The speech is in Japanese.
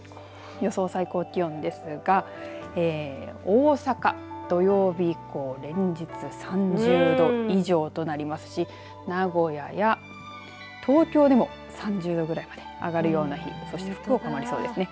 予想最高気温ですが大阪、土曜日以降連日３０度以上となりますし名古屋や東京でも３０度ぐらいまで上がるような日そして、福岡もありそうですね。